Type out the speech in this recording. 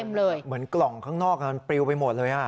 ดูมาเต็มเลยเหมือนกล่องข้างนอกน่ะมันปริวไปหมดเลยอ่ะ